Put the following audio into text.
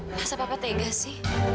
masa papa tegas sih